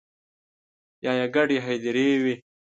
یا يې ګډې هديرې وي